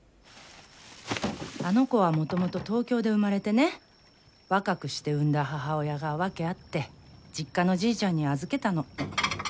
あの子は元々東京で生まれてね若くして産んだ母親が訳あって実家のじいちゃんに預けたの。